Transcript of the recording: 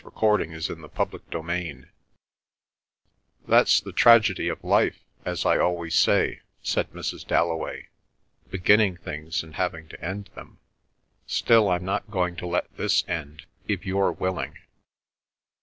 She could not sleep again. CHAPTER VI "That's the tragedy of life—as I always say!" said Mrs. Dalloway. "Beginning things and having to end them. Still, I'm not going to let this end, if you're willing."